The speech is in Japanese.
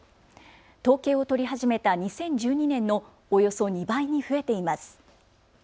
統計を取り始めた２０１２年のおよそ２倍に増えています。